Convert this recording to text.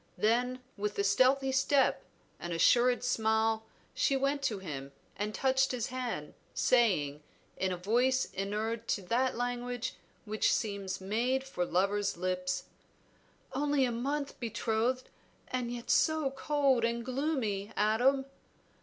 Then with a stealthy step, an assured smile, she went to him and touched his hand, saying, in a voice inured to that language which seems made for lovers' lips "Only a month betrothed, and yet so cold and gloomy, Adam!"